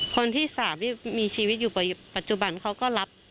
คนที่๓ที่มีชีวิตอยู่ปัจจุบันเขาก็รับ